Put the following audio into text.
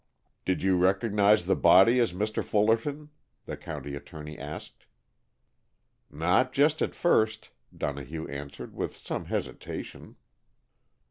"Did you recognize the body as Mr. Fullerton?" the county attorney asked. "Not just at first," Donohue answered with some hesitation.